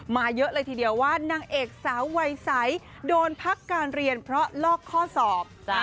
เยอะเลยทีเดียวว่านางเอกสาววัยใสโดนพักการเรียนเพราะลอกข้อสอบ